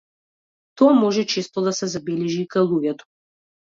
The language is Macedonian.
Тоа може често да се забележи и кај луѓето.